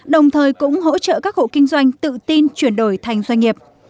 đồng thời cũng hỗ trợ các hộ kinh doanh tự tin chuyển đổi thành doanh nghiệp